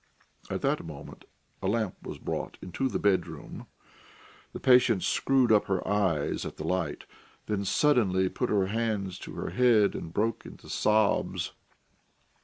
At that moment a lamp was brought into the bed room. The patient screwed up her eyes at the light, then suddenly put her hands to her head and broke into sobs.